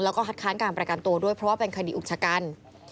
แล้วก็คัดค้านการประกันตัวด้วยเพราะว่าเป็นคดีอุกชะกัน